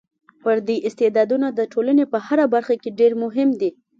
فردي استعدادونه د ټولنې په هره برخه کې ډېر مهم دي.